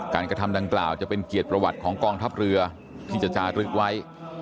กระทำดังกล่าวจะเป็นเกียรติประวัติของกองทัพเรือที่จะจารึกไว้